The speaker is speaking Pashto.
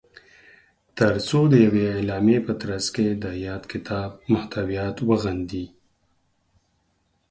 تر څو د یوې اعلامیې په ترځ کې د یاد کتاب محتویات وغندي